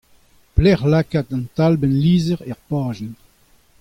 Pelecʼh lakaat an talbenn lizher er bajenn ?